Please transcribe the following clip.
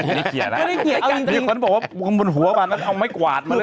มีคนบอกว่าวิบัติบนหัวกลับมาเอาไม่กวาดมั้น